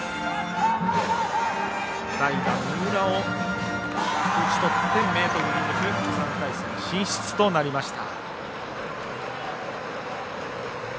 代打、三浦を打ち取って明徳義塾３回戦進出となりました。